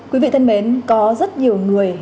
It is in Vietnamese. quý vị thân mến có rất nhiều người